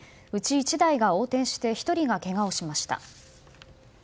１台が横転して１人がけがをしました。